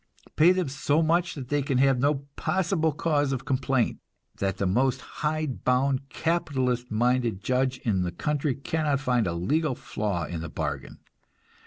Pay them so much that they can have no possible cause of complaint, that the most hide bound capitalistic minded judge in the country cannot find a legal flaw in the bargain!